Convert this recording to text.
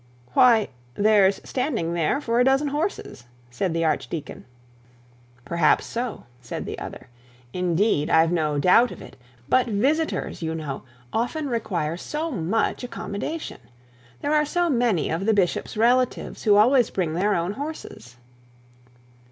'Why there's standing for a dozen horses,'said the archdeacon. 'Perhaps so,' said the other; 'indeed, I've no doubt of it; but visitors, you know, often require so much accommodation. There are many of the bishop's relatives who always bring their own horses.'